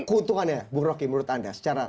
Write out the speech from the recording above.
keuntungannya bu rocky menurut anda